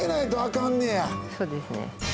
そうですね。